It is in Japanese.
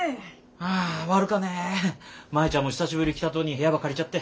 ああ悪かね舞ちゃんも久しぶり来たとに部屋ば借りちゃって。